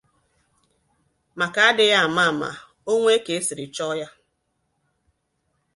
maka adịghị ama ama o nwee ka e siri chọọ ya